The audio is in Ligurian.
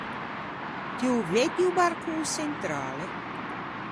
Ti ô veddi o barcon çentrale?